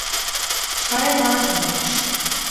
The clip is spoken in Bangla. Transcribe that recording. সাড়ে পাঁচ মাস।